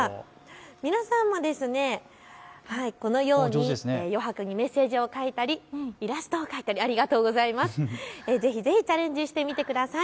皆さんもこのように余白にメッセージを書いたり、イラストを描いたりぜひぜひチャレンジしてみてください。